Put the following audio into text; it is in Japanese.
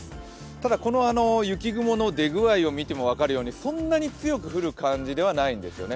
ただ、この雪雲の出具合を見ても分かるようにそんなに強く降る感じではないんですよね。